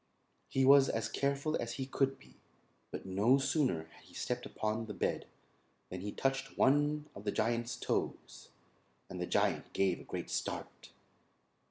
He was as careful as he could be, but no sooner had he stepped upon the bed than he touched one of the Giant's toes; and the Giant gave a great start.